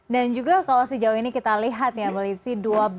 dan juga kalau sejauh ini kita lihat ya melithi